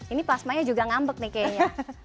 ini plasmanya juga ngambek nih kayaknya